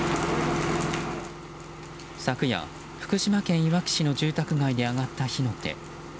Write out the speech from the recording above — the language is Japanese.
昨夜、福島県いわき市の住宅街で上がった火の手。